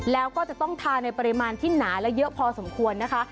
แล้วก็จะต้องทานในปริมาณที่หนาและเยอะพอสมควรนะคะ